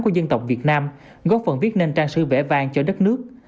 của dân tộc việt nam góp phần viết nên trang sư vẽ vàng cho đất nước